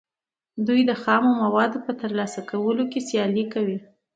دوی د خامو موادو په ترلاسه کولو کې سیالي کوي